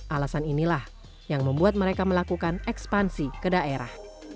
alasan inilah yang membuat mereka melakukan ekspansi ke daerah